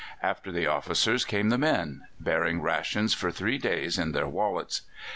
After the officers came the men, bearing rations for three days in their wallets.